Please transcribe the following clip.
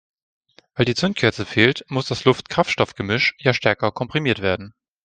Weil die Zündkerze fehlt, muss das Luft-Kraftstoff-Gemisch ja stärker komprimiert werden.